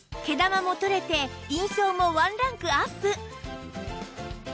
毛玉も取れて印象もワンランクアップ！